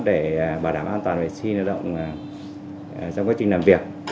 để bảo đảm an toàn vệ sinh lao động trong quá trình làm việc